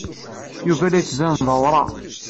Yuba la d-yettban d awraɣ.